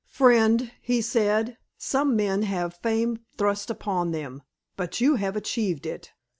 "Friend," he said, "some men have fame thrust upon them, but you have achieved it.